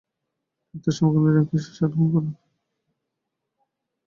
তিনি তার সময়কালে র্যাঙ্কিংয়ের শীর্ষে আরোহণ করেছেন।